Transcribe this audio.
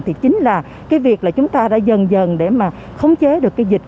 thì chính là cái việc là chúng ta đã dần dần để mà khống chế được cái dịch